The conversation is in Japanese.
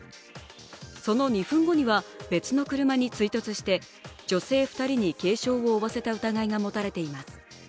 その２分後には別の車に追突して女性２人に軽傷を負わせた疑いが持たれています。